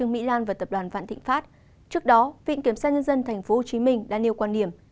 ngoài ra đại diện viện kiểm soát nhân dân còn cho rằng